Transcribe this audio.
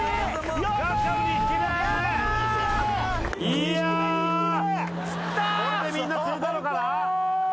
いやこれでみんな釣れたのかな？